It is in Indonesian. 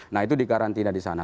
nah itu dikarantina di sana